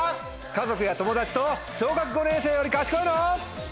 家族や友達と「小学５年生より賢いの？」。